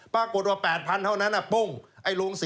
ปรากฏว่า๘๐๐เท่านั้นปุ้ง๔๐